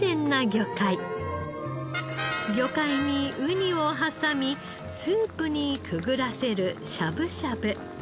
魚介にウニを挟みスープにくぐらせるしゃぶしゃぶ。